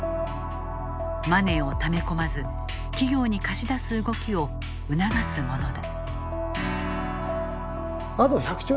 マネーをため込まず企業に貸し出す動きを促すものだ。